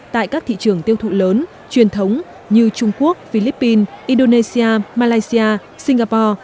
tại các thị trường tiêu thụ lớn truyền thống như trung quốc philippines indonesia malaysia singapore